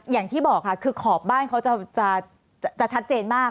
อย่างที่บอกค่ะคือขอบบ้านเขาจะชัดเจนมาก